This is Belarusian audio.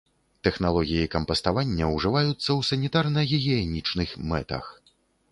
Тэхналогіі кампаставання ўжываюцца ў санітарна-гігіенічных мэтах.